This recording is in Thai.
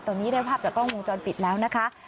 ตอนนี้ได้ภาพจากกล้องวงจรปิดแล้วนะคะ